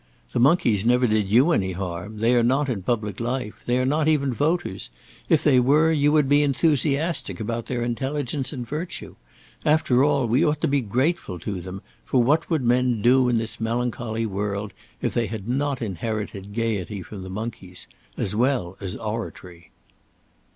"The monkeys never did you any harm; they are not in public life; they are not even voters; if they were, you would be enthusiastic about their intelligence and virtue. After all, we ought to be grateful to them, for what would men do in this melancholy world if they had not inherited gaiety from the monkeys as well as oratory."